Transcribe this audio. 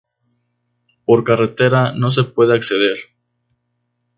Por carretera no se puede acceder.